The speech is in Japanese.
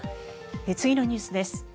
次のニュースです。